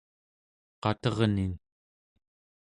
qaternin